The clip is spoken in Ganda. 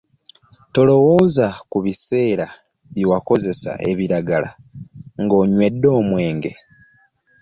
Tolowooza ku biseera bye wakozesa ebiragala ng’onywedde omwenge.